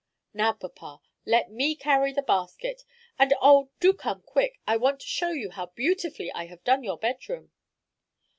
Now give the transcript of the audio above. Now, papa, let me carry the basket, and oh, do come quick. I want to show you how beautifully I have done your bedroom."